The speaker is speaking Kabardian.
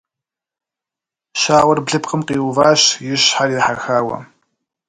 Щауэр блыпкъым къиуващ и щхьэр ехьэхауэ.